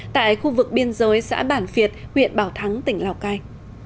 tại khu vực biên giới xã bản việt huyện bảo thắng tỉnh lào cai